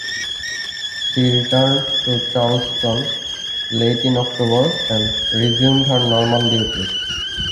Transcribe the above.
She returned to Charleston late in October and resumed her normal duties.